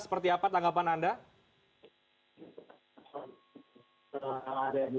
seperti apa tanggapan anda